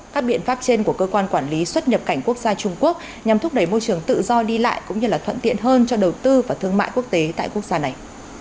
các biện pháp trên của cơ quan quản lý xuất nhập cảnh quốc gia trung quốc nhằm thúc đẩy môi trường tự do đi lại cũng như thuận tiện hơn cho đầu tư và thương mại quốc tế tại quốc gia này